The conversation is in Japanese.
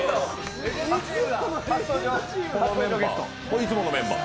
いつものメンバーだ。